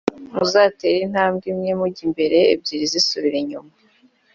muzatera intambwe imwe mujya imbere ebyiri zisubire inyuma